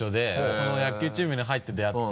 その野球チームに入って出会って。